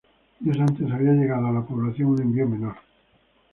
Días antes había llegado a la población un envío menor.